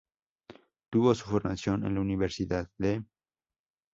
Tuvo su formación en la Universidad de St.